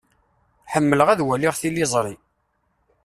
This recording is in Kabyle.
Ḥemmleɣ ad waliɣ tiliẓṛi.